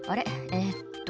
えっと